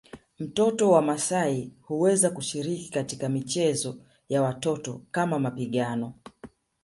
Mtoto wa maasai huweza kushiriki katika michezo ya watoto kama mapigano